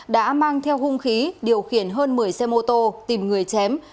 đã mang theo hung khí điều khiển hơn một mươi xe mô tô tìm người chém